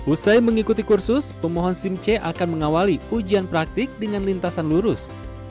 usai mengikuti kursus pemohon simc akan mengawali ujian praktik dengan lintasan lurus